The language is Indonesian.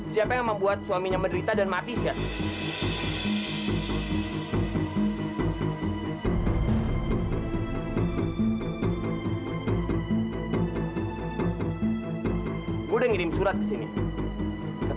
sampai jumpa di video selanjutnya